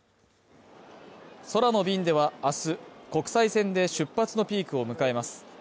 空の便では、明日国際線で出発のピークを迎えます。